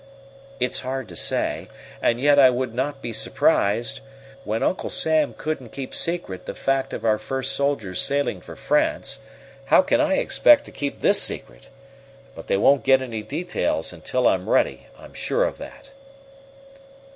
"It's hard to say, and yet I would not be surprised. When Uncle Sam couldn't keep secret the fact of our first soldiers sailing for France. How can I expect to keep this secret? But they won't get any details until I'm ready, I'm sure of that."